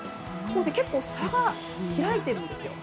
結構差が開いているんですよ。